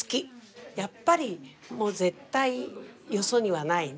やっぱり絶対よそにはないね。